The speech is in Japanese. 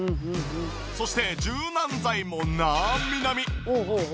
そして柔軟剤もなみなみ！